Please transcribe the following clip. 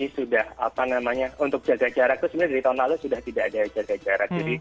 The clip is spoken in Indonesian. sudah apa namanya untuk jaga jarak itu sebenarnya dari tahun lalu sudah tidak ada jaga jarak